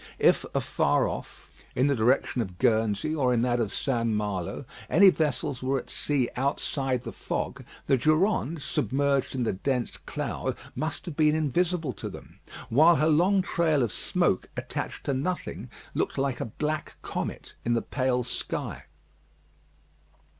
If afar off, in the direction of Guernsey or in that of St. Malo, any vessels were at sea outside the fog, the Durande, submerged in the dense cloud, must have been invisible to them; while her long trail of smoke attached to nothing, looked like a black comet in the pale sky.